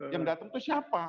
yang datang itu siapa